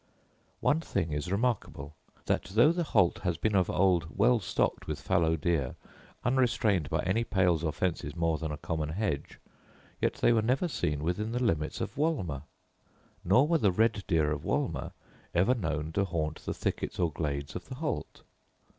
One thing is remarkable; that, though the Holt has been of old well stocked with fallow deer, unrestrained by any pales or fences more than a common hedge, yet they were never seen within the limits of Wolmer; nor were the red deer of Wolmer ever known to haunt the thickets or glades of the Holt.